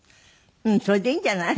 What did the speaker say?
それでいいんじゃない？